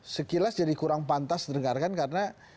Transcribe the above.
sekilas jadi kurang pantas didengarkan karena